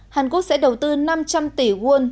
hàn quốc sẽ đầu tư năm trăm linh tỷ won